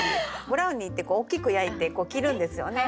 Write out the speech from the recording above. ブラウニーって大きく焼いて切るんですよね。